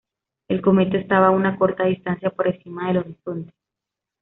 El cometa estaba a una corta distancia por encima del horizonte.